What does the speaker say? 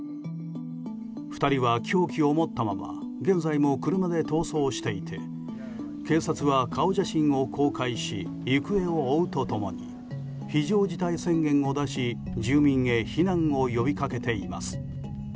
２人は凶器を持ったまま現在も車で逃走していて警察は顔写真を公開し行方を追うと共に非常事態宣言を出し住民へ避難を呼びかけています。